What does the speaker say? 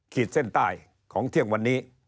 ขีดเส้นใต้ของเที่ยงวันนี้